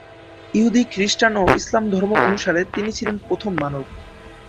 ইহুদি, খ্রিস্টান ও ইসলাম ধর্ম অনুসারে তিনি ছিলেন প্রথম মানব।